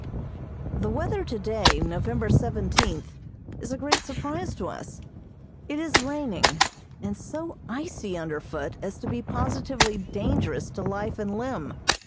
The weather today, November seventeenth, is a great surprise to us. It is raining, and so icy underfoot as to be positively dangerous to life and limb.